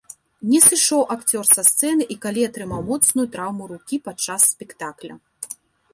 Не сышоў акцёр са сцэны і калі атрымаў моцную траўму рукі падчас спектакля.